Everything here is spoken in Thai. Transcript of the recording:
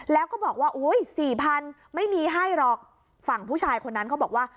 แล้วก็บอกว่าอุ้ยสี่พันไม่มีให้หรอกฝั่งผู้ชายคนนั้นเขาบอกว่า